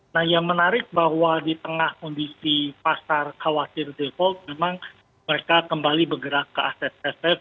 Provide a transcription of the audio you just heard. nah yang menarik bahwa di tengah kondisi pasar khawatir depok memang mereka kembali bergerak ke aset aset